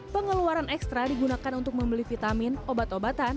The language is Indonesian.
pengeluaran ekstra digunakan untuk membeli vitamin obat obatan